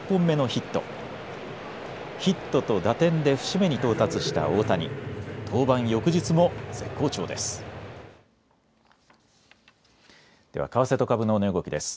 ヒットと打点で節目に到達した大谷、登板翌日も絶好調です。